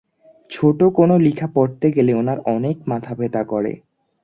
ছোটো কোনো লিখা পড়তে গেলে ওনার অনেক মাথা ব্যথা করে।